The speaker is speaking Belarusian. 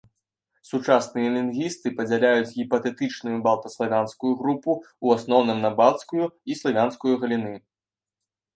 Сучасныя лінгвісты падзяляюць гіпатэтычную балта-славянскую групу ў асноўным на балцкую і славянскую галіны.